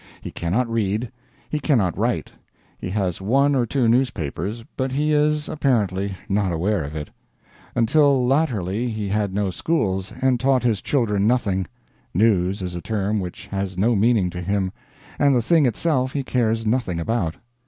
He cannot read, he cannot write; he has one or two newspapers, but he is, apparently, not aware of it; until latterly he had no schools, and taught his children nothing, news is a term which has no meaning to him, and the thing itself he cares nothing about.